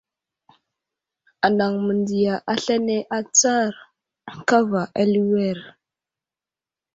Anaŋ məndiya aslane atsar kava aliwer.